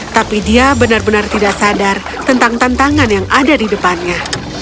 tapi dia benar benar tidak sadar tentang tantangan yang ada di depannya